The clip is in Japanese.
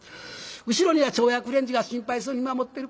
後ろには町役連中が心配そうに見守ってる。